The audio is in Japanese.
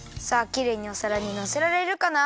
きれいにおさらにのせられるかな？